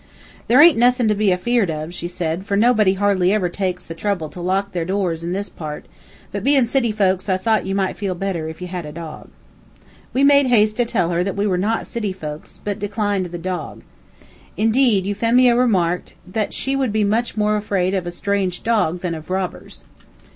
"There aint nuthin to be afeard of," she said; "for nobody hardly ever takes the trouble to lock the doors in these parts, but bein' city folks, I thought ye might feel better if ye had a dog." We made haste to tell her that we were not city folks, but declined the dog. Indeed, Euphemia remarked that she would be much more afraid of a strange dog than of robbers.